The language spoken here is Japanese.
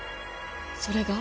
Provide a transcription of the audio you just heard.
それが？